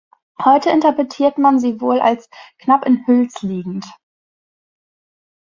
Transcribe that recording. Heute interpretiert man sie wohl als knapp in Hüls liegend.